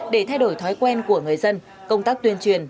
để thay đổi thói quen của người dân công tác tuyên truyền